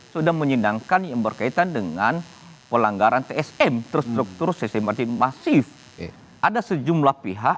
sudah menyingkirkan yang berkaitan dengan pelanggaran tsm terstruktur sistem arti masif ada sejumlah pihak